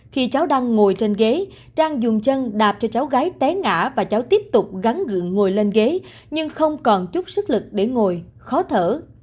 khi cháu đang ngồi trên ghế trang dùng chân đạp cho cháu gái té ngã và cháu tiếp tục gắn gượng ngồi lên ghế nhưng không còn chút sức lực để ngồi khó thở